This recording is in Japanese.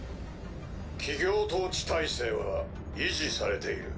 企業統治体制は維持されている。